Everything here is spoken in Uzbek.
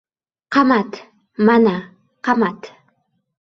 — Qamat, mana, qamat!